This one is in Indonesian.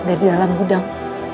dari dalam gudang